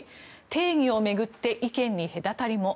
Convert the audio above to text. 定義を巡って意見に隔たりも。